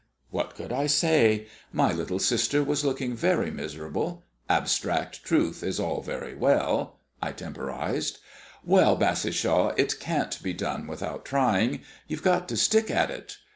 What could I say? My little sister was looking very miserable abstract truth is all very well I temporised. "Well, Bassishaw, it can't be done without trying. You've got to stick at it.